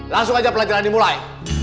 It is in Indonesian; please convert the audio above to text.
langsung aja pelajaran dimulai